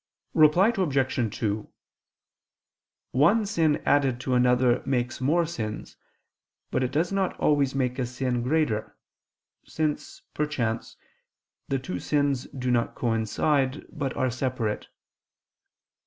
Reply Obj. 2: One sin added to another makes more sins, but it does not always make a sin greater, since, perchance, the two sins do not coincide, but are separate.